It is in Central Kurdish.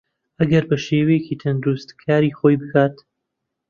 ئەگەر بەشێوەیەکی تەندروست کاری خۆی بکات